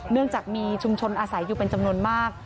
เนื่องจากมีชุมชนอาศัยอยู่เป็นจำนวนมาก